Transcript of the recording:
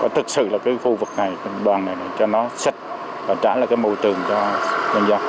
thực sự là phương phục này đoàn này này cho nó sạch và trả lại môi trường cho dân dân